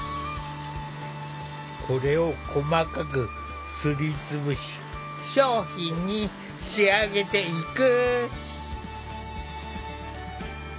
これを細かくすりつぶし商品に仕上げていく。